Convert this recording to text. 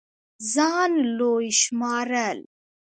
ځان لوے شمارل